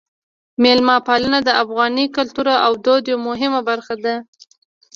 میلمه پالنه د افغاني کلتور او دود یوه مهمه برخه ده.